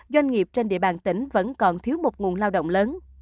doanh nghiệp trên địa bàn tỉnh vẫn còn thiếu một nguồn lao động lớn